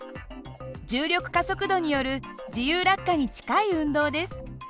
重力加速度による自由落下に近い運動です。